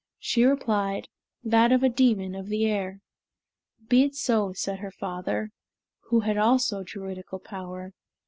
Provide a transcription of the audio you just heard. She replied, "That of a demon of the air." "Be it so," said her father, who had also Druidical power.